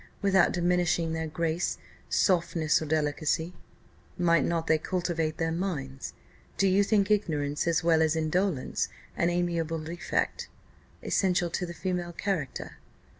Without diminishing their grace, softness, or delicacy, might not they cultivate their minds? Do you think ignorance, as well as indolence, an amiable defect, essential to the female character?"